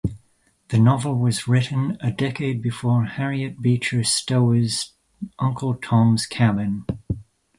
The novel was written a decade before Harriet Beecher Stowe's "Uncle Tom's Cabin".